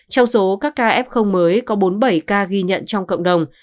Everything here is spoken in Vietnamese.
trong số các ca f mới có bốn mươi bảy ca ghi nhận trong cộng đồng